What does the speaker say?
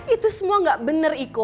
itu semua gak benar iko